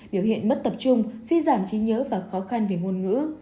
biểu hiện mất tập trung suy giảm trí nhớ và khó khăn về ngôn ngữ